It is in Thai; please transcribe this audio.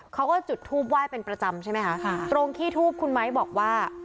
เขาก็จุดทูปไหว้เป็นประจำใช่ไหมคะค่ะตรงที่ทูบคุณไม้บอกว่า